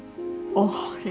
おい。